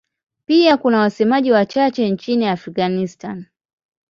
Pia kuna wasemaji wachache nchini Afghanistan.